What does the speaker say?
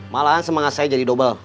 malahan semangat saya jadi double